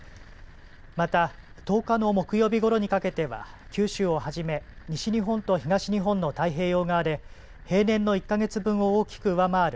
また１０日の木曜日ごろにかけては九州をはじめ西日本と東日本の太平洋側で平年の１か月分を大きく上回る